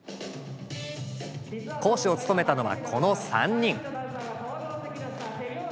講師を務めたのはこの３人。